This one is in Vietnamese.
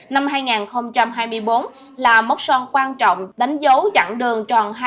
năm hai nghìn hai mươi bốn là mốc son quan trọng đánh dấu dặn đường tròn hai mươi